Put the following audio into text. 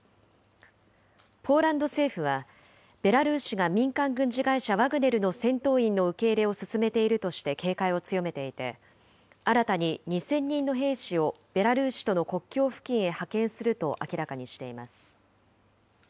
ポーランド政府は、ベラルーシが民間軍事会社ワグネルの戦闘員の受け入れを進めているとして警戒を強めていて、新たに２０００人の兵士をベラルーシとの国境付近へ派遣すると明らかにしています。